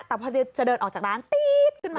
แต่พอจะเดินออกจากร้านตี๊ดขึ้นมา